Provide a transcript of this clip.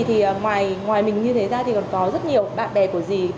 thì ngoài mình như thế ra thì còn có rất nhiều bạn bè của dì